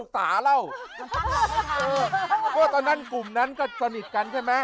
ตอนนั้นกลุ่มนั้นสนิทกัน